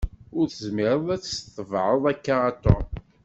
Ur tezmireḍ ad tt-tetebεeḍ akka a Tom.